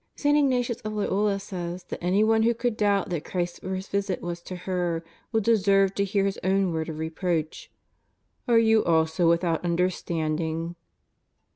St. Ig natius of Loyola says that anyone who could doubt that Christ's first visit was to her, would deserve to hear His own word of reproach: "Are you also with out understanding